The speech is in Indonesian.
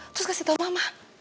terus kasih tau mama